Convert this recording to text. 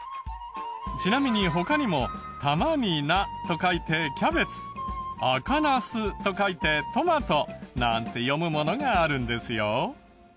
ちなみに他にも「玉に菜」と書いて「キャベツ」「赤茄子」と書いて「トマト」なんて読むものがあるんですよ。